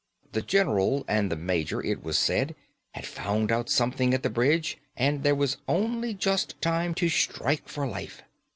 The general and the major, it was said, had found out something at the bridge, and there was only just time to strike for life.